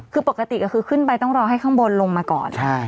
คือปกติก็คือขึ้นไปต้องรอให้ข้างบนลงมาก่อน